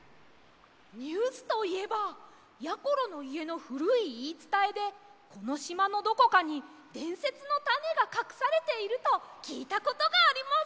ニュースといえばやころのいえのふるいいいつたえでこのしまのどこかにでんせつのタネがかくされているときいたことがあります！